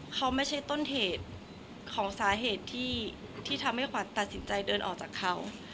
เขาไม่ใช่ต้นเหตุของสาเหตุที่ทำให้ขวัญตัดสินใจเดินออกจากเขา